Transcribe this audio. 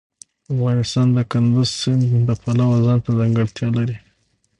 افغانستان د کندز سیند د پلوه ځانته ځانګړتیا لري.